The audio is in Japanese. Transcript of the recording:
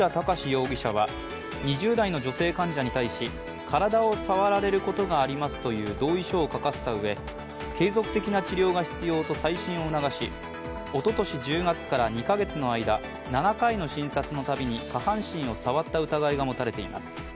容疑者は２０代の女性患者に対し体を触られることがありますという同意書を書かせたうえ、継続的な治療が必要と再診を促し、おととし１０月から２か月の間、７回の診察のたびに下半身を触った疑いが持たれています。